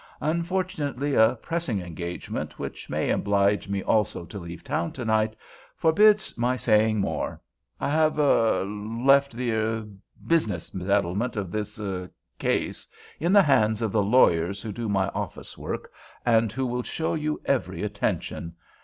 Unfortunately, a pressing engagement, which may oblige me also to leave town to night, forbids my saying more. I have—er—left the—er—business settlement of this—er—case in the hands of the lawyers who do my office work, and who will show you every attention.